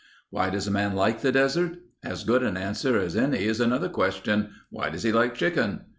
Why does a man like the desert? As good an answer as any is another question: Why does he like chicken?